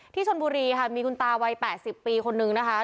ชนบุรีค่ะมีคุณตาวัย๘๐ปีคนนึงนะคะ